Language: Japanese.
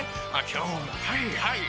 今日もはいはい